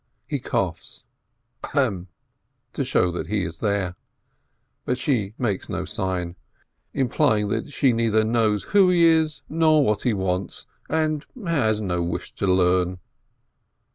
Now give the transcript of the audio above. He coughs, ahem ! to show that he is there, but she makes no sign, implying that she neither knows who he is, nor what he wants, and has no wish to learn.